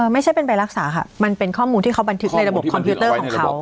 ไม่ใช่เป็นใบรักษาค่ะมันเป็นข้อมูลที่เขาบันทึกในระบบคอมพิวเตอร์ของเขา